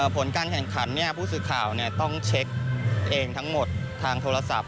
ผลการแข่งขันผู้สื่อข่าวต้องเช็คเองทั้งหมดทางโทรศัพท์